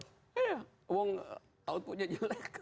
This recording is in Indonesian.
iya kalau tidak punya jelek